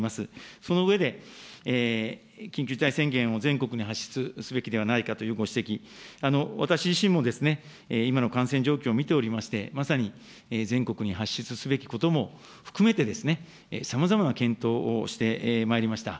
その上で、緊急事態宣言を全国に発出すべきではないかというご指摘、私自身も今の感染状況を見ておりまして、まさに全国に発出すべきことも含めて、さまざまな検討をしてまいりました。